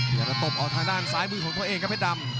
อยากจะตบออกทางด้านซ้ายมือของตัวเองครับเพชรดำ